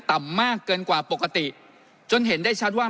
ต่ำมากเกินกว่าปกติจนเห็นได้ชัดว่า